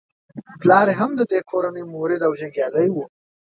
پلار یې هم د دې کورنۍ مرید او جنګیالی وو.